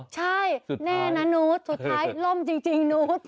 ใช่น่ะสุดท้ายล่มจริง